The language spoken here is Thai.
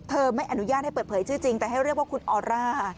ไม่อนุญาตให้เปิดเผยชื่อจริงแต่ให้เรียกว่าคุณออร่า